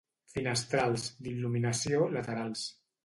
Finestrals, d'il·luminació, laterals.